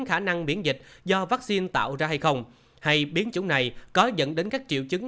khả năng miễn dịch do vaccine tạo ra hay không hay biến chứng này có dẫn đến các triệu chứng